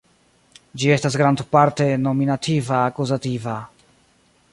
Ĝi estas grandparte nominativa-akuzativa.